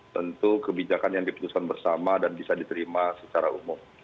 tentu kebijakan yang diputuskan bersama dan bisa diterima secara umum